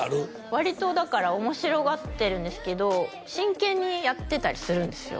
割とだから面白がってるんですけど真剣にやってたりするんですよ